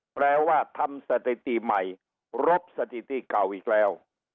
แปลว่าทำสถิติใหม่รบสถิติเก่าอีกแล้ว